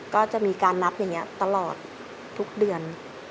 ก็จะมีการนับอย่างนี้ตลอดทุกเดือน